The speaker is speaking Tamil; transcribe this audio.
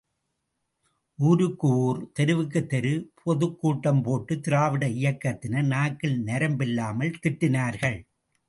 ஊருக்கு ஊர், தெருவுக்குத் தெரு பொதுக்கூட்டம் போட்டு திராவிட இயக்கத்தினர் நாக்கில் நரம்பில்லாமல் திட்டினார்கள்.